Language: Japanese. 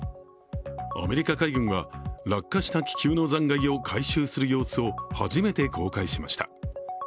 アメリカ海軍は落下した気球の残骸を回収する様子を初めて公開しました。